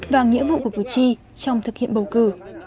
và nghĩa vụ của cử tri trong thực hiện bầu cử